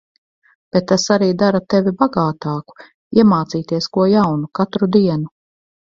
Bet tas arī dara tevi bagātāku-iemācīties ko jaunu katru dienu.